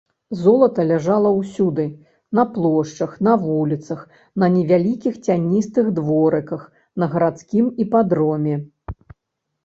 Золата ляжала ўсюды: на плошчах, на вуліцах, на невялікіх цяністых дворыках, на гарадскім іпадроме.